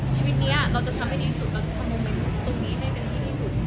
ชีวิตเนี้ยเราจะทำให้ดีสุดเราจะทำโมเมนต์ตรงนี้ให้เป็นที่ดีสุด